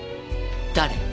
誰？